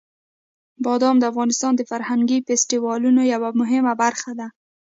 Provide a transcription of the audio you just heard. بادام د افغانستان د فرهنګي فستیوالونو یوه مهمه برخه ده.